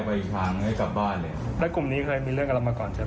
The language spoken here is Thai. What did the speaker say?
ผมอยากขอโทษจริงนะครับ